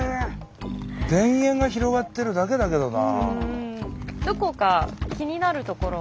田園が広がってるだけだけどな。